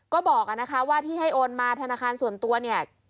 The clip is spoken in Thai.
ก็บอกนะคะว่าที่ให้โอนมาธนาคารส่วนตัวเนี่ย